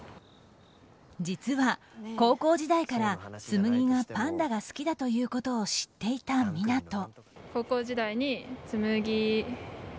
実は高校時代から紬がパンダが好きだということを知っていた湊斗。